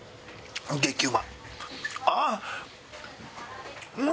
激うま。